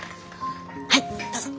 はいどうぞ！